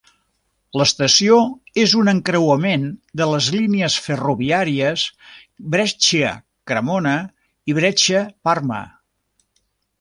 L'estació és un encreuament de les línies ferroviàries Brescia-Cremona i Brescia-Parma.